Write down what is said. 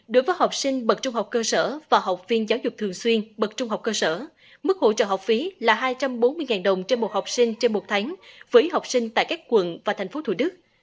đối với học sinh bậc trung học cơ sở và học viên giáo dục thường xuyên bậc trung học cơ sở mức hỗ trợ học phí là hai trăm bốn mươi đồng trên một học sinh trên một tháng với học sinh tại các quận và tp thủ đức